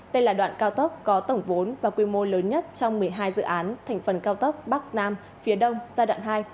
đây là đoạn cao tốc có tổng vốn và quy mô lớn nhất trong một mươi hai dự án thành phần cao tốc bắc nam phía đông giai đoạn hai